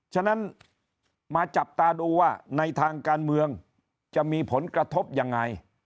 ฉะนั้นมาจับตาดูว่าในทางการเมืองจะมีผลกระทบยังไง